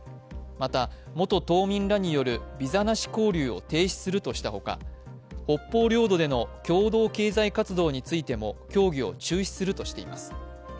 また、元島民らによるビザなし交流を停止するとしたほか北方領土での共同経済活動についても協議を中止するとしています。